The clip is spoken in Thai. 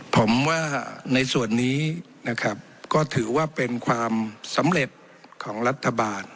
ผมว่าในส่วนนี้นะครับก็ถือว่าเป็นความสำเร็จของรัฐบาล